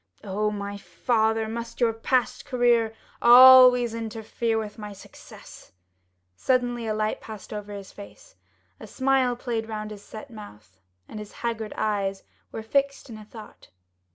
Oh, my father, must your past career always interfere with my successes?" Suddenly a light passed over his face, a smile played round his set mouth, and his haggard eyes were fixed in thought.